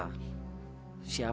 kalau aku ikut ke jakarta